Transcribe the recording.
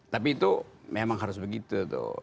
tapi itu memang harus begitu tuh